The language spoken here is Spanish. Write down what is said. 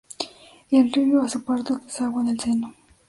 El río Azopardo desagua en el seno.